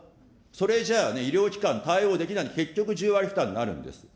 それじゃあね、医療機関、対応できないで結局１０割負担になるんです。